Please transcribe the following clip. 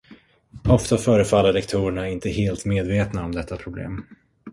Ofta förefaller rektorerna inte helt medvetna om detta problem.